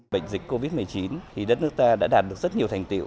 bệnh dịch covid một mươi chín thì đất nước ta đã đạt được rất nhiều thành tiệu